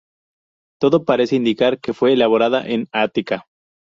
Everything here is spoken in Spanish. Todo parece indicar que fue elaborada en Ática.